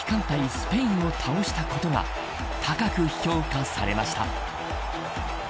スペインを倒したことが高く評価されました。